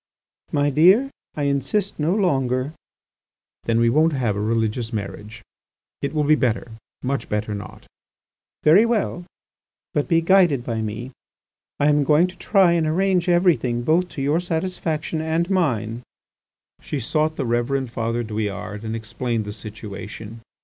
"My dear, I insist no longer." "Then we won't have a religious marriage. It will be better, much better not." "Very well, but be guided by me. I am going to try and arrange everything both to your satisfaction and mine." She sought the Reverend Father Douillard and explained the situation.